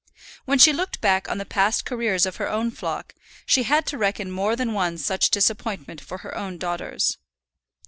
When she looked back on the past careers of her own flock, she had to reckon more than one such disappointment for her own daughters.